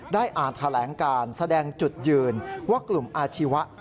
ได้อ่านแถลงการแสดงจุดยืนว่ากลุ่มอาชีวะ